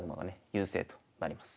優勢となります。